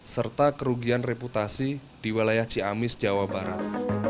serta kerugian reputasi di wilayah ciamis jawa barat